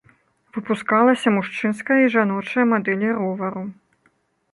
Выпускалася мужчынская і жаночая мадэлі ровару.